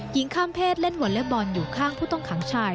ข้ามเพศเล่นวอเล็บบอลอยู่ข้างผู้ต้องขังชาย